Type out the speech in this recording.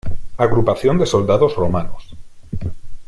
Agrupación de Soldados Romanos.